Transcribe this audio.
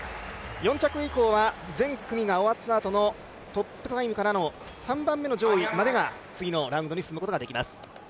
４着以降は全組が終わったあとのトップからの３番目のラインが次のラウンドに進むことができます。